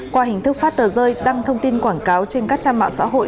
qua hình thức phát tờ rơi đăng thông tin quảng cáo trên các trang mạng xã hội